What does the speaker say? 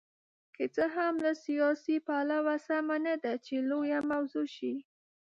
که څه هم له سیاسي پلوه سمه نه ده چې لویه موضوع شي.